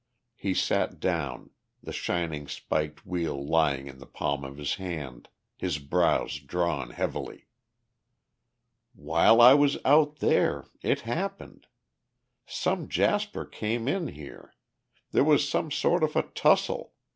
He sat down, the shining spiked wheel lying in the palm of his hand, his brows drawn heavily. "While I was out there ... it happened. Some jasper came in here, there was some sort of a tussle